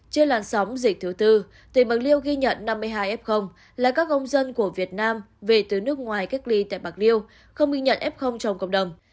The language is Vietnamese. trên làn sóng dịch thứ tư tỉnh bạc liêu ghi nhận năm mươi hai f là các công dân của việt nam về từ nước ngoài cách ly tại bạc liêu không ghi nhận f trong cộng đồng